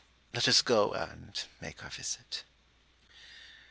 â Let us go and make our visit.